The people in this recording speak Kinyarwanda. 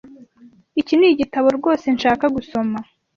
Iki nigitabo rwose nshaka gusoma.